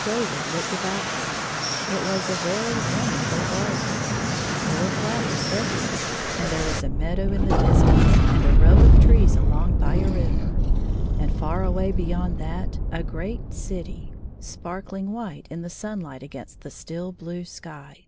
David looked about him ; it was a very wonderftd garden. There were flow ers everywhere, and there was a meadow in the distance, and a row of trees along by a river, and far away beyond that, a great city, sparkling white 52 in the sunlight against the still blue sky.